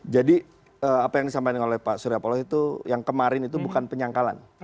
jadi apa yang disampaikan oleh pak surya paloh itu yang kemarin itu bukan penyangkalan